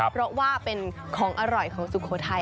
เพราะว่าเป็นของอร่อยของสุโขทัย